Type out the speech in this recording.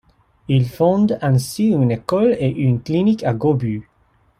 Il fonde ainsi une école et une clinique à Gobu.